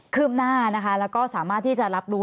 ืบหน้านะคะแล้วก็สามารถที่จะรับรู้